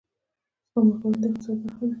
سپما کول د اقتصاد برخه ده